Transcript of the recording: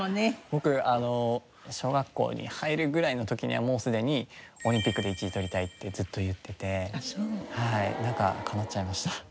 僕小学校に入るぐらいの時にはもうすでにオリンピックで１位獲りたいってずっと言っててなんか叶っちゃいました。